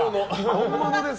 本物です。